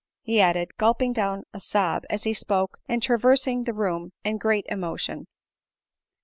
added he, gulping down a sob as he spoke, and traversing the room in great emotion.